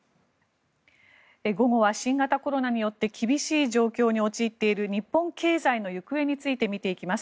午後は新型コロナによって厳しい状況に陥っている日本経済の行方について見ていきます。